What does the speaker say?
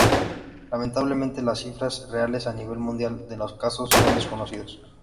Lamentablemente, las cifras reales, a nivel mundial, de los casos son desconocidas.